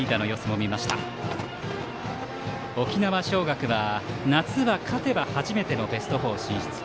沖縄尚学は夏は勝てば初めてのベスト４進出。